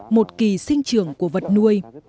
một kỳ sinh trường của vật nuôi